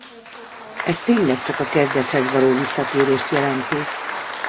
Ez tényleg csak a kezdethez való visszatérést jelenti.